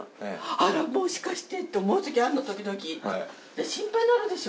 あら、もしかして？って思うときあるの、時々、心配になるでしょ。